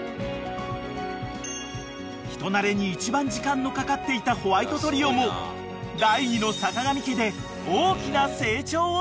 ［人なれに一番時間のかかっていたホワイトトリオも第２の坂上家で］